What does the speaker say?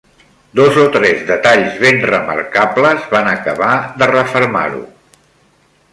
Dos o tres detalls ben remarcables van acabar de refermar-ho.